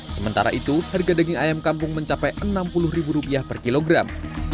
sementara itu harga daging ayam kampung mencapai rp enam puluh per kilogram